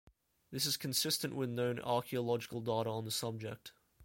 This is consistent with known archaeological data on the subject.